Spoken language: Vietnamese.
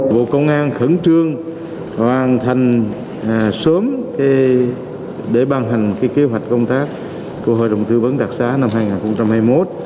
bộ công an khẩn trương hoàn thành sớm để ban hành kế hoạch công tác của hội đồng tư vấn đặc xá năm hai nghìn hai mươi một